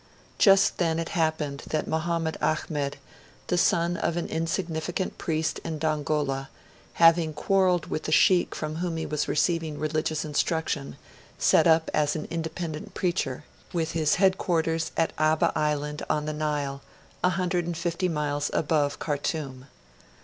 Just then it happened that Mahommed Ahmed, the son of an insignificant priest in Dongola, having quarrelled with the Sheikh from whom he was receiving religious instruction, set up as an independent preacher, with his headquarters at Abba Island, on the Nile, 150 miles above Khartoum.